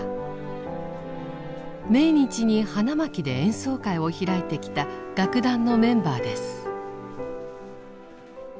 命日に花巻で演奏会を開いてきた楽団のメンバーです。